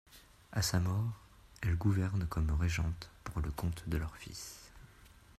À sa mort, elle gouverne comme régente pour le compte de leurs fils.